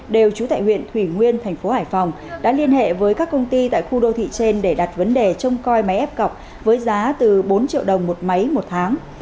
đều trú tại huyện thủy nguyên thành phố hải phòng đã liên hệ với các công ty tại khu đô thị trên để đặt vấn đề trông coi máy ép cọc với giá từ bốn triệu đồng một máy một tháng